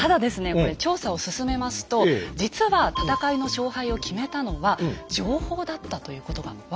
これ調査を進めますと実は戦いの勝敗を決めたのは「情報」だったということが分かってきたんです。